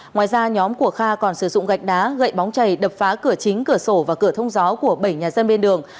ngoài ra nhóm của kha còn sử dụng gạch đá gậy bóng chảy đập phá cửa chính cửa sổ và cửa thông gió của bảy nhà dân bên đường